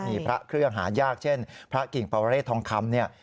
มีพระเครื่องหายากเช่นพระกิ่งปวเรศทองคำเนี่ย